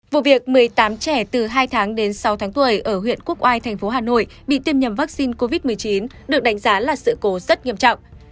vụ việc một mươi tám trẻ từ hai tháng đến sáu tháng tuổi ở huyện quốc oai thành phố hà nội bị tiêm nhầm vaccine covid một mươi chín được đánh giá là sự cố rất nghiêm trọng